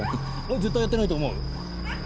絶対やってないと思う？